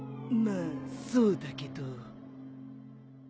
まあそうだけど。